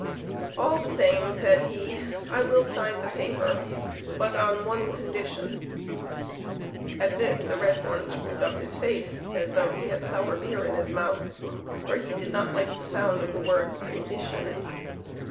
"All the same," said he, " I will sign the paper, but on one condition." At this the red one screwed up his face as though he had sour beer in his mouth, for he did not like the sound of the word " condition."